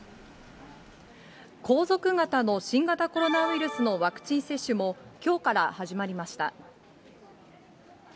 皇族方の新型コロナウイルスのワクチン接種も、きょうから始まりました。